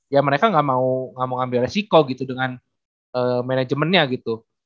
ya mereka nggak mau ambil resiko gitu dengan manajemennya gitu